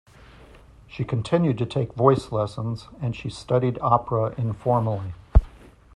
She continued to take voice lessons, and she studied opera informally.